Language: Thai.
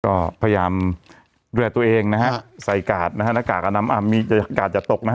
ก็พยายามดูแลตัวเองนะฮะใส่กาดนะฮะนาคากาดน้ำอำมีกาดอย่าตกนะฮะ